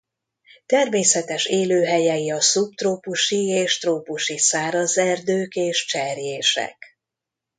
Természetes élőhelyei a szubtrópusi és trópusi száraz erdők és cserjések.